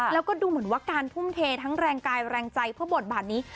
แล้วก็ดูเหมือนว่าการทุ่มเททั้งแรงกายแรงใจเพื่อบทบาทนี้